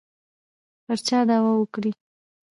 پر چا دعوه وکړي.